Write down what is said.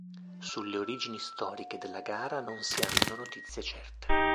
Sulle origini storiche della gara non si hanno notizie certe.